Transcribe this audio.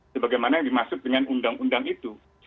sebagaimana yang dimaksud dengan undang undang itu